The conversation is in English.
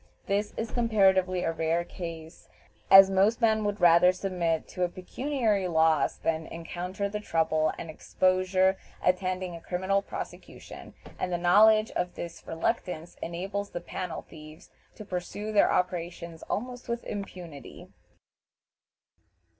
This is comparatively a rare case, as most men would rather submit to a pecuniary loss than encounter the trouble and exposure attending a criminal prosecution, and the knowledge of this reluctance enables the "panel thieves" to pursue their operations almost with impunity.